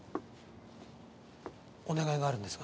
お願いがあるんですが。